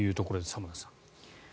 浜田さん。